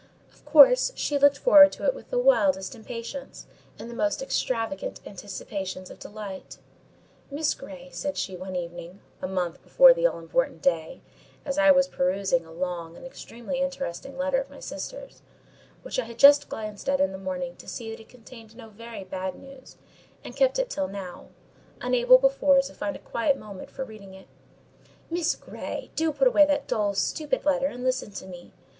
Of course, she looked forward to it with the wildest impatience, and the most extravagant anticipations of delight. "Miss Grey," said she, one evening, a month before the all important day, as I was perusing a long and extremely interesting letter of my sister's—which I had just glanced at in the morning to see that it contained no very bad news, and kept till now, unable before to find a quiet moment for reading it,—"Miss Grey, do put away that dull, stupid letter, and listen to me!